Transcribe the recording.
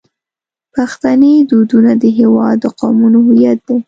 پښتني دودونه د هیواد د قومونو هویت دی.